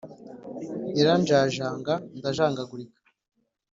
Iranjajanga ndajanjagurika,